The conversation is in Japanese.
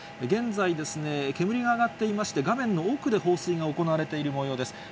現在、煙が上がっていまして、画面の奥で放水が行われているもようです。